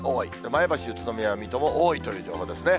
前橋、宇都宮、水戸も多いという情報ですね。